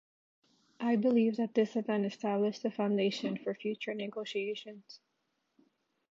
I believe that this event established the foundation for future negotiations.